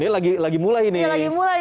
ini lagi mulai nih